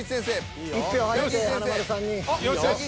１票入って華丸さんに。